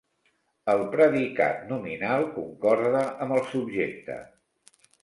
El predicat nominal concorda amb el subjecte.